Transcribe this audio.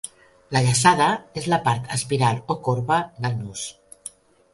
La llaçada és la part espiral o corba del nus.